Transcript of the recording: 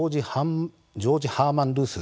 ジョージ・ハーマン・ルース